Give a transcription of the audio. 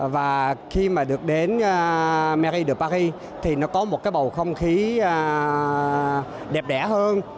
và khi mà được đến marie de paris thì nó có một cái bầu không khí đẹp đẻ hơn